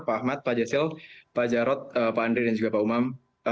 pak ahmad pak jasil pak jarod pak andri dan juga pak umam